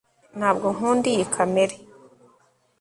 ntabwo nkunda iyi kamera